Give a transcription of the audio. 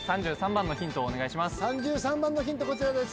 番のヒントをお願いします